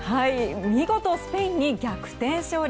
見事スペインに逆転勝利。